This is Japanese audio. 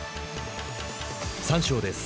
三賞です。